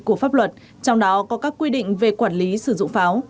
của pháp luật trong đó có các quy định về quản lý sử dụng pháo